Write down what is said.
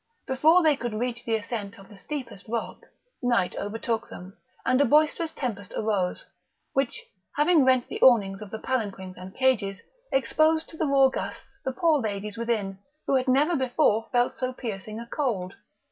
Before they could reach the ascent of the steepest rock, night overtook them, and a boisterous tempest arose, which, having rent the awnings of the palanquins and cages, exposed to the raw gusts the poor ladies within, who had never before felt so piercing a cold.